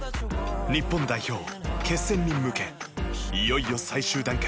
日本代表、決戦に向けいよいよ最終段階。